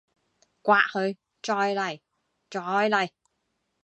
摑佢！再嚟！再嚟！